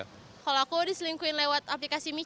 kalau aku diselingkuhin lewat aplikasi micat